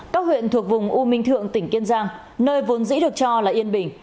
các huyện thuộc vùng u minh thượng tỉnh kiên giang nơi vốn dĩ được cho là yên bình